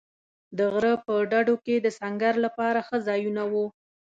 د غره په ډډو کې د سنګر لپاره ښه ځایونه و.